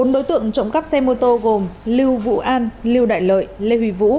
bốn đối tượng trộm cắp xe mô tô gồm lưu vũ an lưu đại lợi lê huy vũ